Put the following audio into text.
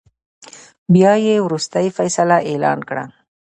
بيا يې ورورستۍ فيصله اعلان کړه .